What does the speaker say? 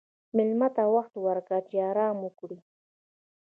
مېلمه ته وخت ورکړه چې آرام وکړي.